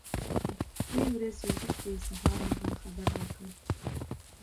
دوې ورځې وروسته یې سهار مهال خبر را کړ.